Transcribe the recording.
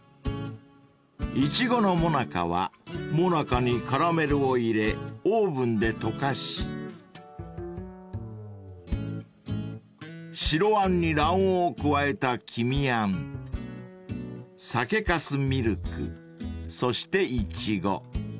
［いちごの最中はもなかにカラメルを入れオーブンで溶かし白あんに卵黄を加えた黄身餡酒粕ミルクそしてイチゴ］